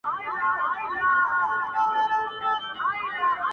• خوله خوله یمه خوږیږي مي د پښو هډونه -